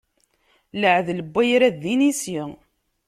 Iaɛdel n wayrad d inisi.